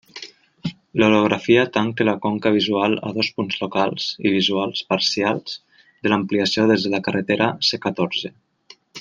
L'orografia tanca la conca visual a dos punts locals i visuals parcials de l'ampliació des de la carretera C catorze.